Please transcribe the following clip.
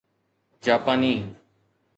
جاپاني